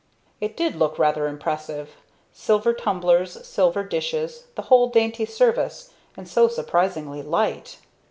It did look rather impressive; silver tumblers, silver dishes, the whole dainty service and so surprisingly light.